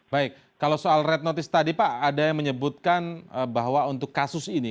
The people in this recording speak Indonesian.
baik kalau soal red notice tadi pak ada yang menyebutkan bahwa untuk kasus ini